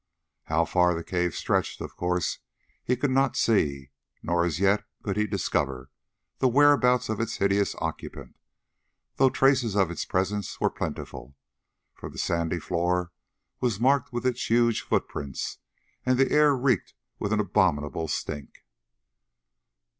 How far the cave stretched of course he could not see, nor as yet could he discover the whereabouts of its hideous occupant, though traces of its presence were plentiful, for the sandy floor was marked with its huge footprints, and the air reeked with an abominable stink.